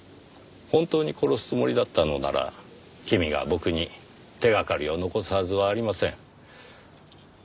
本当に殺すつもりだったのなら君が僕に手がかりを残すはずはありません。